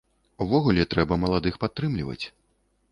Увогуле, трэба маладых падтрымліваць.